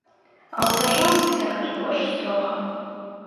А ў дзяржаўным сектары больш строга.